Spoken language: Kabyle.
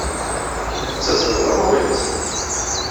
Kemm tettazzaleḍ am uɣilas.